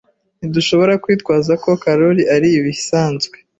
Ntidushobora kwitwaza ko Karoli ari ibisanzwe.